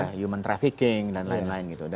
ya human trafficking dan lain lain gitu